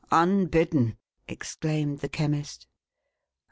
Unbidden," exclaimed the Chemist.